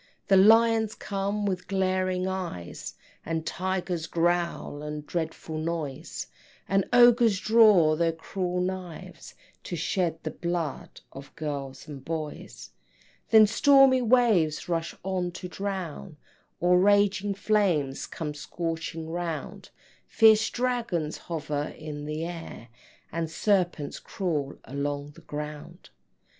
Then lions come with glaring eyes, And tigers growl, a dreadful noise, And ogres draw their cruel knives, To shed the blood of girls and boys. Then stormy waves rush on to drown, Or raging flames come scorching round, Fierce dragons hover in the air, And serpents crawl along the ground.